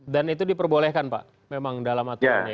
dan itu diperbolehkan pak memang dalam aturannya ya